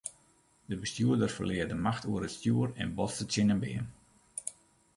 De bestjoerder ferlear de macht oer it stjoer en botste tsjin in beam.